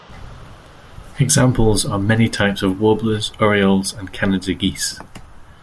Examples are many types of warblers, orioles, and Canada geese.